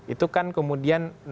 itu kan kemudian nobel